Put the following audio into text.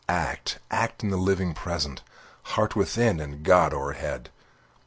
Act, act in the living present! Heart within, and God o'erhead!